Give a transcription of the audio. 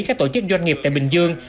các tổ chức doanh nghiệp tại bình dương